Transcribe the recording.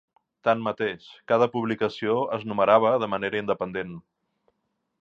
Tanmateix, cada publicació es numerava de manera independent.